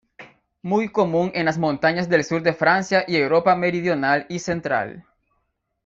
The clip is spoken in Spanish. Muy común en las montañas del sur de Francia y Europa meridional y central.